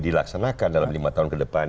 dilaksanakan dalam lima tahun ke depan